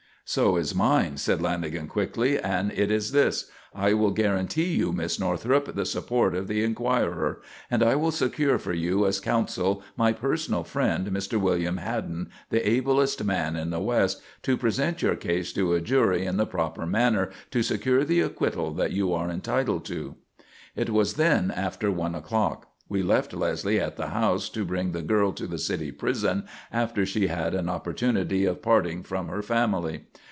"So is mine," said Lanagan quickly, "and it is this: I will guarantee you, Miss Northrup, the support of the Enquirer, and I will secure for you as counsel my personal friend, Mr. William Hadden, the ablest man in the West, to present your case to a jury in the proper manner to secure the acquittal that you are entitled to." It was then after one o'clock. We left Leslie at the house to bring the girl to the city prison after she had an opportunity of parting from her family.